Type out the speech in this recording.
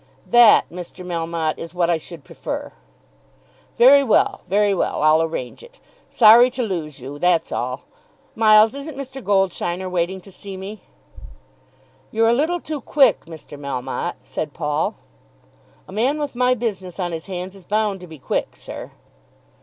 "That, Mr. Melmotte, is what I should prefer." "Very well, very well. I'll arrange it. Sorry to lose you, that's all. Miles, isn't Mr. Goldsheiner waiting to see me?" "You're a little too quick, Mr. Melmotte," said Paul. "A man with my business on his hands is bound to be quick, sir."